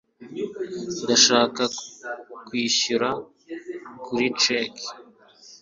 ndashaka kwishyura kuri cheque